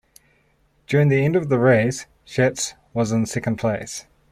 During the end of the race, Schatz was in second place.